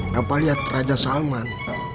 bapak lihat raja salman